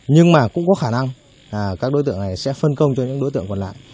nhưng mà cũng có khả năng là các đối tượng này sẽ phân công cho những đối tượng còn lại